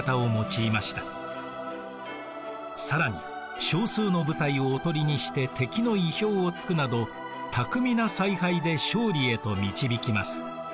更に少数の部隊をおとりにして敵の意表をつくなど巧みな采配で勝利へと導きます。